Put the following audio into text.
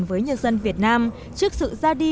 với nhân dân việt nam trước sự ra đi